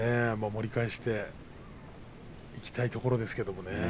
盛り返していきたいところですけれどもね。